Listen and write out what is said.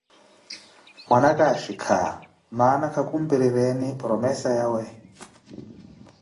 Mwana aka axhikha mana khukumpirireeni promesa yawo.